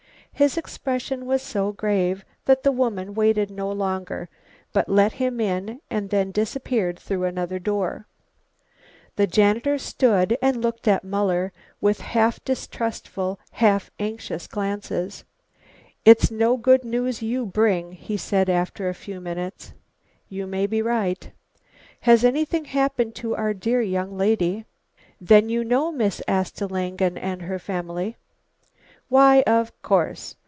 His expression was so grave that the woman waited no longer, but let him in and then disappeared through another door. The janitor stood and looked at Muller with half distrustful, half anxious glances. "It's no good news you bring," he said after a few minutes. "You may be right." "Has anything happened to our dear young lady?" "Then you know Miss Asta Langen and her family?" "Why, of course.